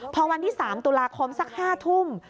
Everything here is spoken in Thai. พอวันที่๓ตุลาคมสัก๕ทุ่ม